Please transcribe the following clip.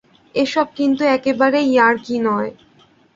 এসব কিন্তু একেবারেই ইয়ার্কি নয়।